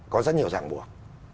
có rất nhiều ràng buộc